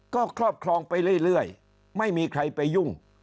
ก็ครอบครองไปเรื่อยไม่มีใครไปยุ่ง